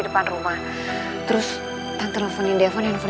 lo mau turun